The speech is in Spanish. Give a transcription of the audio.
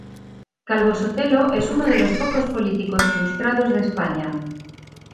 Calvo-Sotelo es uno de los pocos políticos ilustrados de España.